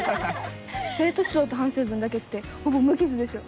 生徒指導と反省文だけってほぼ無傷でしょ。